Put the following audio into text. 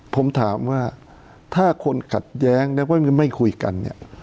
ผมถามว่าถ้าคนขัดแย้งแล้วไม่คุยกัน